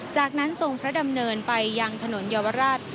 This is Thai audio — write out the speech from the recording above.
จากนั้นทรงพระดำเนินไปยังถนนเยาวราช